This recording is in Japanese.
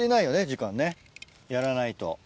時間ねやらないと。